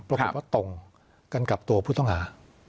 ปรากฏว่าตรงกันกับตัวผู้ต้องหา